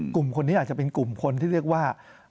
กลุ่มคนนี้อาจจะเป็นกลุ่มคนที่เรียกว่า